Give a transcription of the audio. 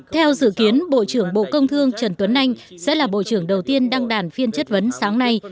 theo dự kiến bộ trưởng bộ công thương trần tuấn anh sẽ là bộ trưởng đầu tiên đăng đàn phiên chất vấn sáng nay